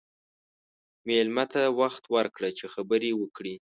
مېلمه ته وخت ورکړه چې خبرې وکړي.